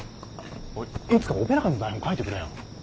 いつかオペラ館の台本書いてくれよ。